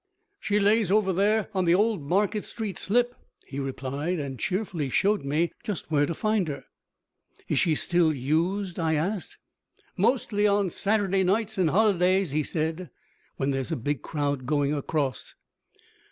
"She lays over in the old Market Street slip," he replied, and cheerfully showed me just where to find her. "Is she still used?" I asked. "Mostly on Saturday nights and holidays," he said, "when there's a big crowd going across."